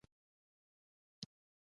ماده څه شی ده او څنګه یې پیژندلی شو.